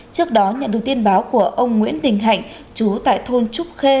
trước đó nhận được tin báo của ông nguyễn đình hạnh chú tại thôn trúc khê